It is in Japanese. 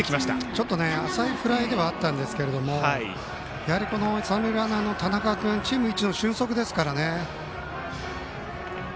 ちょっと浅いフライではあったんですが三塁ランナーの田中君チーム一の俊足ですから。